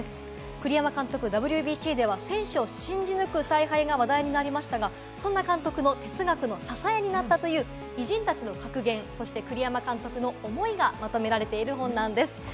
栗山監督、ＷＢＣでは選手を信じ抜く采配が話題になりましたが、そんな監督の哲学の支えになったという偉人たちの格言、そして栗山監督の思いがまとめられている本です。